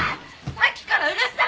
さっきからうるさい！